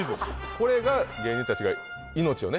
これが芸人たちが命をね